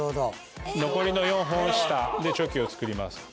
残りの４本を下でチョキを作ります。